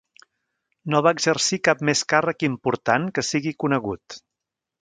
No va exercir cap més càrrec important que sigui conegut.